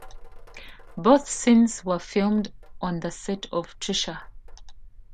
Both scenes were filmed on the set of "Trisha".